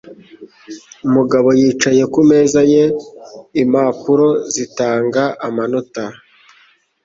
Mugabo yicaye ku meza ye impapuro zitanga amanota.